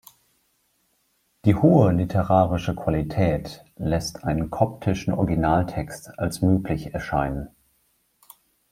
Die hohe literarische Qualität lässt einen koptischen Originaltext als möglich erscheinen.